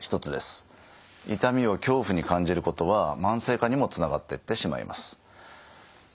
痛みを恐怖に感じることは慢性化にもつながってってしまいます。